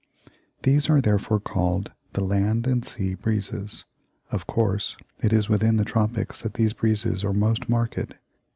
These are therefore called the "land and sea breezes." Of course, it is within the tropics that these breezes are most marked.